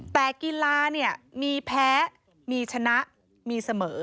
แต่กีฬาเนี่ยมีแพ้มีชนะมีเสมอ